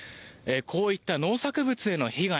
こういった農作物への被害